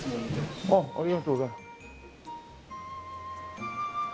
ありがとうございます。